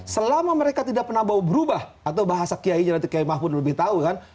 selama mereka tidak pernah bau berubah atau bahasa kiainya nanti kiai mahfud lebih tahu kan